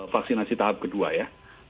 vaksinasi tahap kedua ya